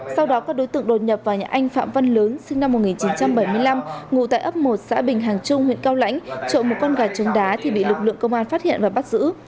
sau đó các đối tượng đột nhập vào nhà anh phạm văn lớn sinh năm một nghìn chín trăm bảy mươi năm ngủ tại ấp một xã bình hàng trung huyện cao lãnh trộm một con gà trứng đá thì bị lực lượng công an phát hiện và bắt giữ